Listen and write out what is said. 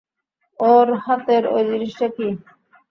ওর হাতের ঐ জিনিসটা কী?